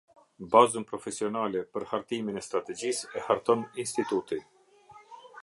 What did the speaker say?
Bazën profesionale për hartimin e Strategjisë e harton Instituti.